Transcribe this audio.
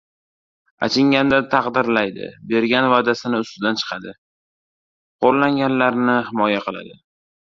achinganda taqdirlaydi, bergan va’dasining ustidan chiqadi, xo‘rlanganlarni himoya qiladi.